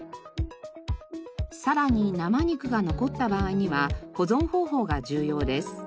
さらに生肉が残った場合には保存方法が重要です。